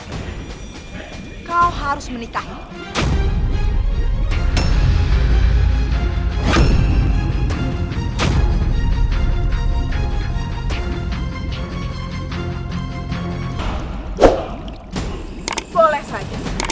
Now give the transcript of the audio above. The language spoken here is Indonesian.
belum kau benar benar lihat